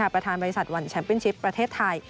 ประธานบริษัทวันแชมปิ้ลชิปประเทศไทย